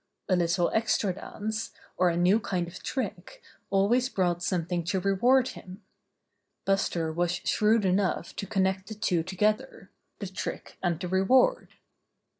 A little extra dance, or a new kind of trick, always brought something to reward him. Buster was shrewd enough to connect the two together — the trick and the reward.